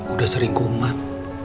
udah sering kuman